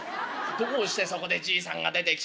どうしてそこでじいさんが出てきちまうかね。